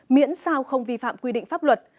miễn sao không vi phạm quy định pháp luật